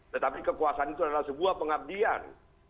tetapi kekuasaan itu adalah sebuah pengabdian